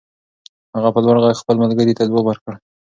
هغه په لوړ غږ خپل ملګري ته ځواب ور کړ.